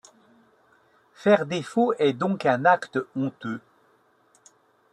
Faire défaut est donc un acte honteux.